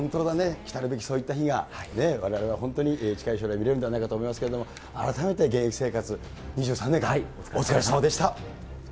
来るべき、そういった日が、われわれは本当に近い将来、見れるんじゃないかと思いますけど、改めて現役生活２３年間、お疲れさまでした。